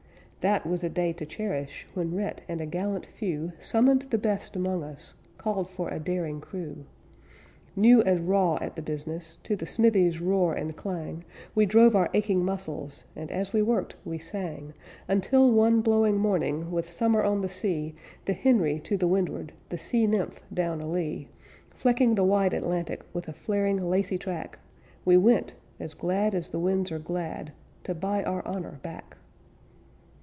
That was a day to cherish When Rhett and a gallant few Summoned the best among us; Called for a daring crew. New and raw at the business, To the smithy's roar and clang, We drove our aching muscles And as we worked we sang, Until one blowing morning With summer on the sea, The Henry to the windward, The Sea Nymph down alee, Flecking the wide Atlantic With a flaring, lacy track, We went, as glad as the winds are glad, To buy our honor back.